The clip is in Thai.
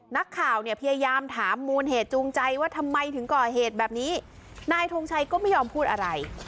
นักข่าวเนี่ยพยายามถามมูลเหตุจูงใจว่าทำไมถึงก่อเหตุแบบนี้นายทงชัยก็ไม่ยอมพูดอะไร